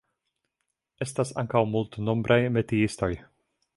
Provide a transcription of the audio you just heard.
Estas ankaŭ multnombraj metiistoj.